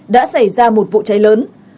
đã xảy ra một vụ cháy lớn